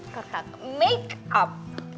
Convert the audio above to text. ketak make up